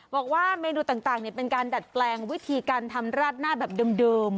บอกว่าเมนูต่างเป็นการดัดแปลงวิธีการทำราดหน้าแบบเดิม